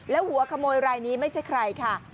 แล้วหัวขโมยรายนี้ไม่ใช่ใครค่ะ